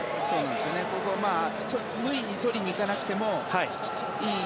ここ、無理に取りに行かなくてもいい。